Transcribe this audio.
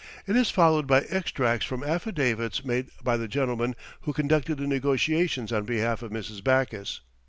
It is followed by extracts from affidavits made by the gentleman who conducted the negotiations on behalf of Mrs. Backus.